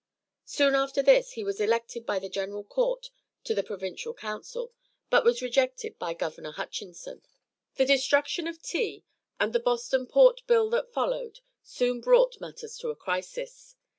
Soon after this he was elected by the general Court to the Provincial Council, but was rejected by Governor Hutchinson. The destruction of tea, and the Boston port bill that followed, soon brought matters to a crisis.